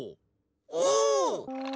お！